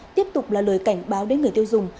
tiếp tục là lời cảnh báo đến người tiêu dùng